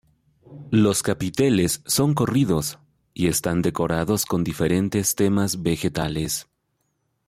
Los capiteles son corridos y están decorados con diferentes temas vegetales.